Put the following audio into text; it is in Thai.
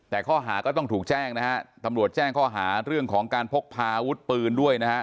แต่ข้อหาก็ต้องถูกแจ้งนะฮะตำรวจแจ้งข้อหาเรื่องของการพกพาอาวุธปืนด้วยนะฮะ